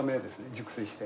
熟成して。